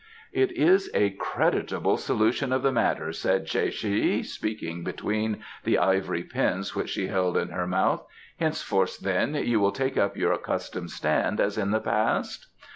"It is a creditable solution of the matter," said Tsae che, speaking between the ivory pins which she held in her mouth. "Henceforth, then, you will take up your accustomed stand as in the past?"